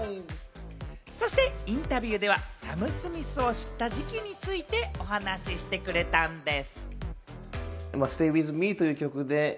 そしてインタビューでは、サム・スミスを知った時期について、お話してくれたんです。